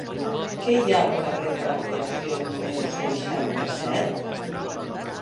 Què hi ha al carrer de l'Aviació número seixanta-set?